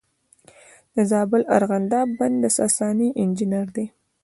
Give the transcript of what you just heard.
د زابل ارغنداب بند د ساساني انجینر دی